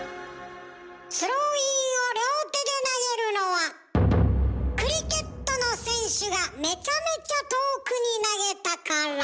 スローインを両手で投げるのはクリケットの選手がめちゃめちゃ遠くに投げたから。